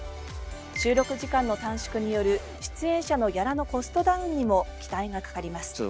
収録時間の短縮による出演者のギャラのコストダウンにも期待がかかります。